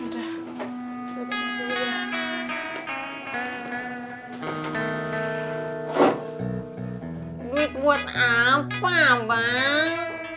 duit buat apa bang